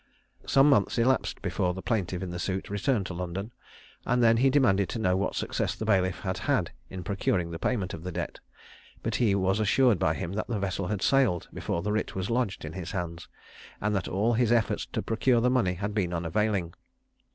Some months elapsed before the plaintiff in the suit returned to London, and then he demanded to know what success the bailiff had had in procuring the payment of the debt; but he was assured by him that the vessel had sailed before the writ was lodged in his hands, and that all his efforts to procure the money had been unavailing.